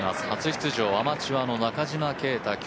初出場、アマチュアの中島啓太。